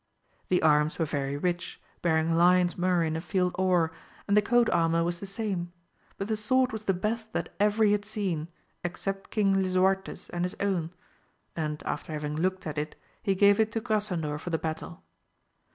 The arms were very rich, bearing lions murrey in a field or, and the coat armour was the same, but the sword was the best that ever he had seen, except King Lisuarte's and his own, and after having looked at it he gave it to Grasandor for the battle.